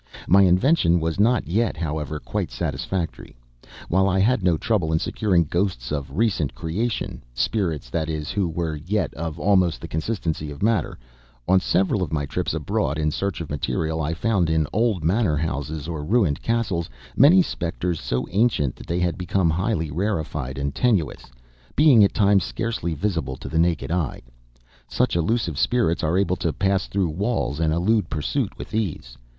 My invention was not yet, however, quite satisfactory. While I had no trouble in securing ghosts of recent creation spirits, that is, who were yet of almost the consistency of matter on several of my trips abroad in search of material I found in old manor houses or ruined castles many specters so ancient that they had become highly rarefied and tenuous, being at times scarcely visible to the naked eye. Such elusive spirits are able to pass through walls and elude pursuit with ease.